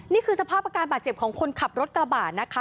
นี่คือสภาพอาการบาดเจ็บของคนขับรถกระบะนะคะ